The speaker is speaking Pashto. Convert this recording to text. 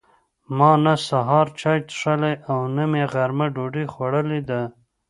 ما نه سهار چای څښلي او نه مې غرمه ډوډۍ خوړلې ده.